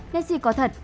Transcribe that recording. nessie có thật